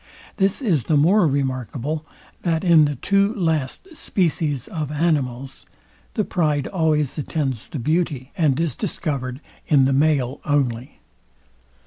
This is the more remarkable, that in the two last species of animals, the pride always attends the beauty, and is discovered in the male only.